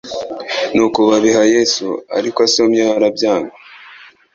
Nuko babiha Yesu, ariko asomyeho, arabyanga.